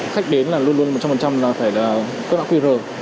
khách đến là luôn luôn một trăm linh là phải là cơ bản qr